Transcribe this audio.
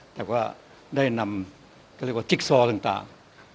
แต่ว่าได้นำก็เรียกว่าจิ๊กซอต่าง